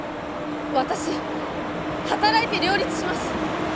私働いて両立します！